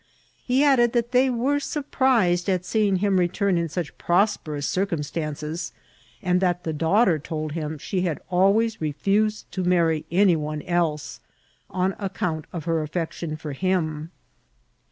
He added that they were surprised at seeing him retmm in such prosperous circumstances, and that the daughter told him she had always refiiaed to marry any one else on account of her affection fcnr him.